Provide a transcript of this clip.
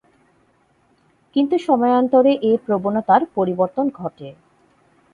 কিন্তু সময়ান্তরে এ প্রবণতার পরিবর্তন ঘটে।